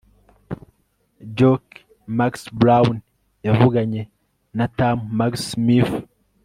jock mcbrown yavuganye na tam mcsmith